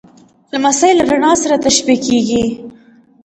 لمسی له رڼا سره تشبیه کېږي.